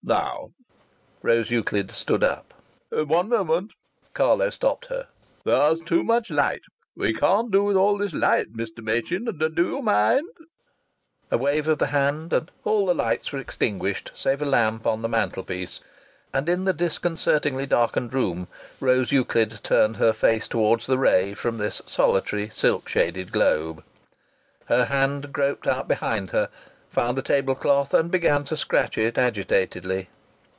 Now!" Rose Euclid stood up. "One moment," Carlo stopped her. "There's too much light. We can't do with all this light. Mr. Machin do you mind?" A wave of the hand and all the lights were extinguished, save a lamp on the mantelpiece, and in the disconcertingly darkened room Rose Euclid turned her face towards the ray from this solitary silk shaded globe. Her hand groped out behind her, found the table cloth and began to scratch it agitatedly.